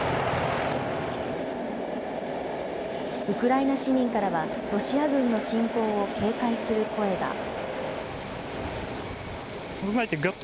ウクライナ市民からは、ロシア軍の侵攻を警戒する声が。